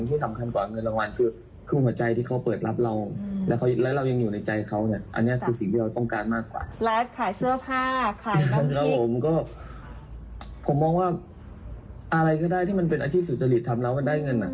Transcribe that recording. ผมก็ผมมองว่าอะไรก็ได้ที่มันเป็นอาชีพสุจริตทำแล้วมันได้เงิน